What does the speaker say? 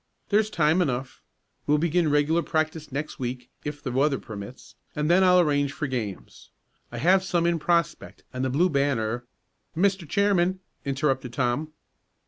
There's time enough. We'll begin regular practice next week, if the weather permits, and then I'll arrange for games. I have some in prospect, and the Blue Banner " "Mr. Chairman!" interrupted Tom.